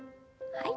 はい。